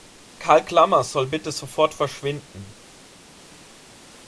Karl Klammer soll bitte sofort verschwinden!